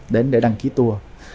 năm mươi đến để đăng ký tour